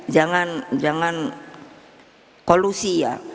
jangan kolusi ya